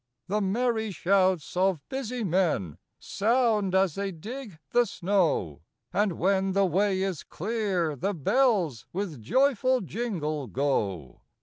The merry shouts of busy men Sound, as they dig the snow; And, when the way is clear, the bells With joyful jingle, go.